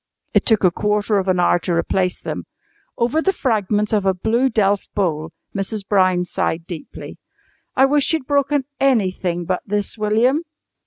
It took a quarter of an hour to replace them. Over the fragments of a blue delf bowl Mrs. Brown sighed deeply. "I wish you'd broken anything but this, William."